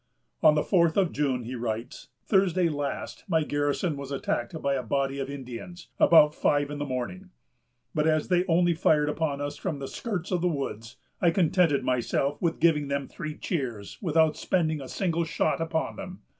On the fourth of June, he writes: "Thursday last my garrison was attacked by a body of Indians, about five in the morning; but as they only fired upon us from the skirts of the woods, I contented myself with giving them three cheers, without spending a single shot upon them.